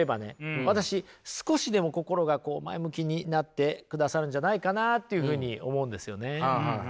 私少しでも心が前向きになってくださるんじゃないかなというふうに思うんですよね。